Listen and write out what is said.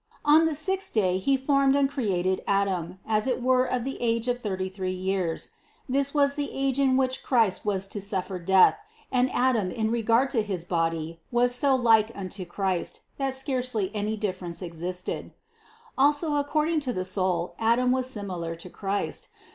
137. On the sixth day he formed and created Adam, as it were of the age of thirty three years. This was THE CONCEPTION 127 the age in which Christ was to suffer death, and Adam in regard to his body was so like unto Christ, that scarcely any difference existed. Also according to the soul Adam was similar to Christ.